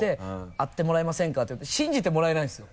「会ってもらえませんか？」って信じてもらえないんですよ。